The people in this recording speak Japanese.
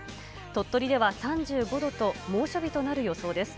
鳥取では３５度と、猛暑日となる予想です。